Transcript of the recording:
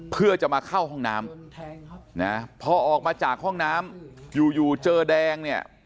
เพื่อจะมาเข้าห้องน้ำนะพอออกมาจากห้องน้ำอยู่อยู่เจอแดงเนี่ย